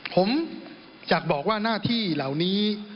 ผมจะบอกว่าหน้าที่เหล่านี้